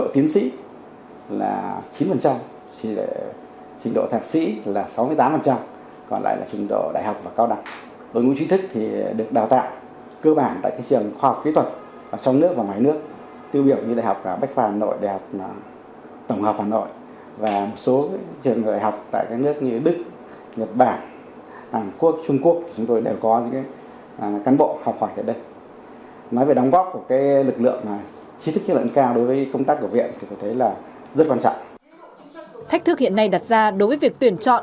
về xây dựng phát huy vai trò đội ngũ trí thức trong lực lượng công an nhân dân